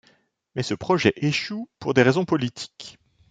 Mais ce projet échoue pour des raisons politiques.